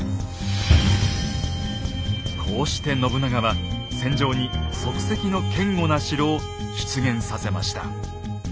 こうして信長は戦場に即席の堅固な城を出現させました。